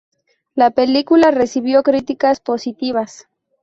La película recibió críticas positivas.